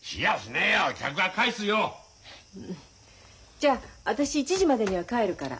じゃ私１時までには帰るから。